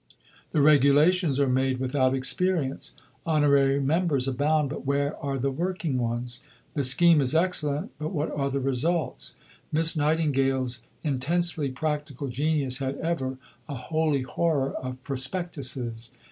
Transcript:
The regulations are made without experience. Honorary members abound, but where are the working ones? The scheme is excellent, but what are the results?" Miss Nightingale's intensely practical genius had ever a holy horror of prospectuses.